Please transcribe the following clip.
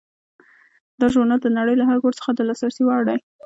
دا ژورنال د نړۍ له هر ګوټ څخه د لاسرسي وړ دی.